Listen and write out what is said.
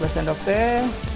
dua sendok teh